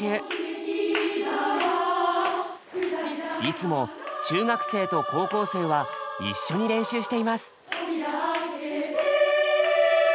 いつも中学生と高校生は一緒に練習しています。